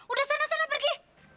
udah sana sana pergi